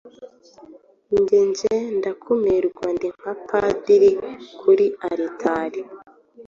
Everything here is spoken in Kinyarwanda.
Njye nje ndakumirwa ndi nka padiri kuri alitari